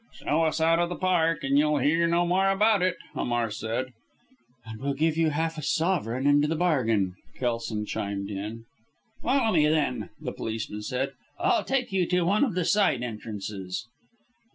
"Show us out of the Park and you'll hear no more about it," Hamar said. "And we'll give you half a sovereign into the bargain," Kelson chimed in. "Follow me then," the policeman said. "I'll take you to one of the side entrances."